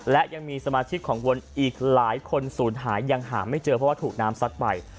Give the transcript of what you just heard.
และยังมีสมาชิกของวนอีกหลายคนศูนย์หายังหาไม่เจอเพราะว่าถูกน้ำซัดไป